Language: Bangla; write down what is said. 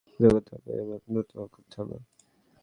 ইংলিশ, আমাদের ঐ রাজমুকুট উদ্ধার করতে হবে, এবং খুব দ্রুত করতে হবে।